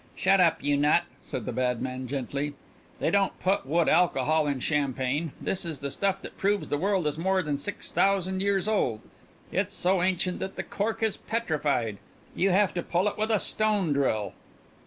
"Shut up, you nut!" said the bad man gently. "They don't put wood alcohol in champagne. This is the stuff that proves the world is more than six thousand years old. It's so ancient that the cork is petrified. You have to pull it with a stone drill."